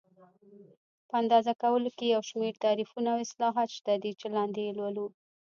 په اندازه کولو کې یو شمېر تعریفونه او اصلاحات شته چې لاندې یې لولو.